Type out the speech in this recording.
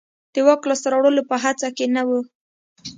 د واک لاسته راوړلو په هڅه کې نه و.